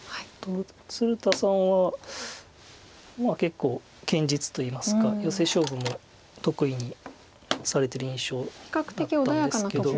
鶴田さんは結構堅実といいますかヨセ勝負も得意にされてる印象があったんですけど。